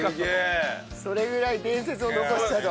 それぐらい伝説を残したと。